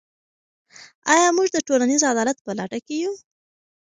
آیا موږ د ټولنیز عدالت په لټه کې یو؟